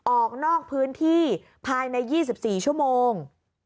ออกนอกพื้นที่ภายใน๒๔ชั่วโมง